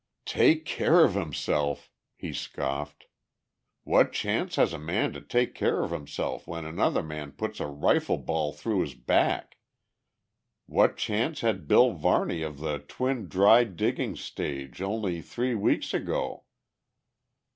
"Take care of himself!" he scoffed. "What chance has a man to take care of himself when another man puts a rifle ball through his back? What chance had Bill Varney of the Twin Dry Diggings stage only three weeks ago?